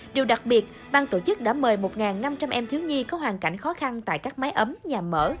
điều đặc biệt bang tổ chức đã mời một năm trăm linh em thiếu nhi có hoàn cảnh khó khăn tại các máy ấm nhà mở